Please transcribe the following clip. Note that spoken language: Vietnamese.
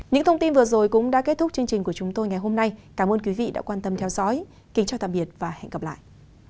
những thông tin vừa rồi cũng đã kết thúc chương trình của chúng tôi ngày hôm nay cảm ơn quý vị đã quan tâm theo dõi kính chào tạm biệt và hẹn gặp lại